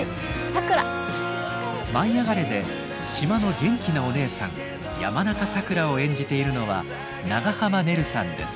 「舞いあがれ！」で島の元気なおねえさん山中さくらを演じているのは長濱ねるさんです。